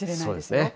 そうですね。